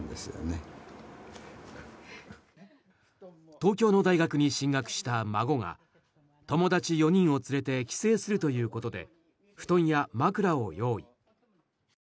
東京の大学に進学した孫が友達４人を連れて帰省するということで布団や枕を用意。